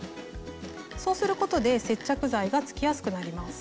そうすることで接着剤がつきやすくなります。